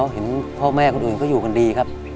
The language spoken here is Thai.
เห็นพ่อแม่คนอื่นเขาอยู่กันดีครับ